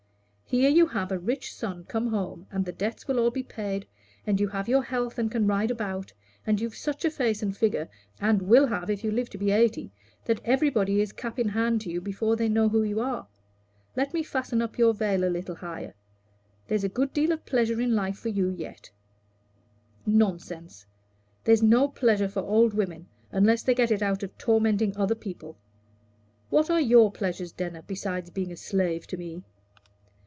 Here you have a rich son come home, and the debts will all be paid, and you have your health and can ride about, and you've such a face and figure, and will have if you live to be eighty, that everybody is cap in hand to you before they know you who are; let me fasten up your veil a little higher: there's a good deal of pleasure in life for you yet." "Nonsense! there's no pleasure for old women, unless they get it out of tormenting other people. What are your pleasures, Denner besides being a slave to me?"